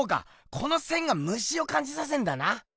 この線がムシをかんじさせんだな！